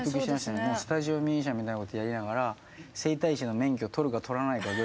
スタジオミュージシャンみたいな事やりながら整体師の免許取るか取らないかぐらいの。